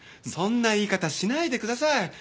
そんな言い方しないでください。